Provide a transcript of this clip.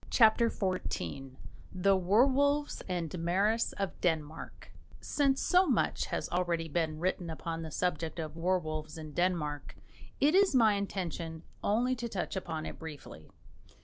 CHAPTER XIV THE WERWOLVES AND MARAS OF DENMARK Since so much has already been written upon the subject of werwolves in Denmark, it is my intention only to touch upon it briefly.